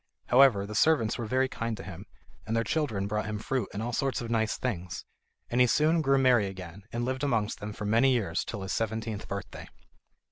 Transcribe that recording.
However, the servants were very kind to him, and their children brought him fruit and all sorts of nice things, and he soon grew merry again, and lived amongst them for many years till his seventeenth birthday.